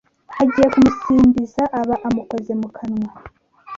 Agiye kumusimbiza aba amukoze mu kanwa,